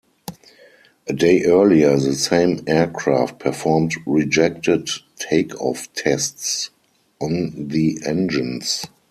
A day earlier, the same aircraft performed rejected takeoff tests on the engines.